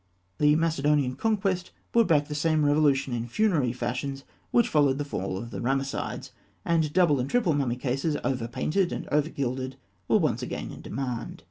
The Macedonian conquest brought back the same revolution in funerary fashions which followed the fall of the Ramessides, and double and triple mummy cases, over painted and over gilded, were again in demand.